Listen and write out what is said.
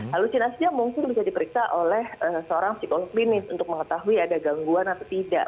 halusinasinya mungkin bisa diperiksa oleh seorang psikolog klinis untuk mengetahui ada gangguan atau tidak